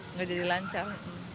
nggak jadi lancar